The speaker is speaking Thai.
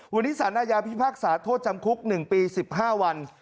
วันนี้สารอาญาพิพากษาโทษจำคุก๑ปี๑๕วัน